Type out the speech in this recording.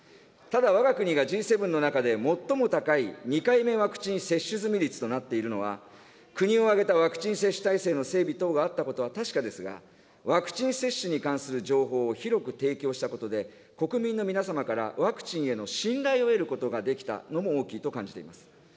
ただ、わが国がＧ７の中で最も高い２回目ワクチン接種済率となっているのは、国を挙げたワクチン接種体制の整備等があったことは確かですが、ワクチン接種に関する情報を広く提供したことで、国民の皆様からワクチンへの信頼を得ることができたのも大きいと感じています。